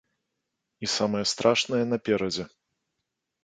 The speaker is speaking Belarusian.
І самае страшнае наперадзе.